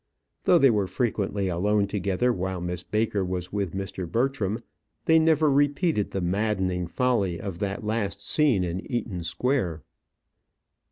Though they were frequently alone together while Miss Baker was with Mr. Bertram, they never repeated the maddening folly of that last scene in Eaton Square.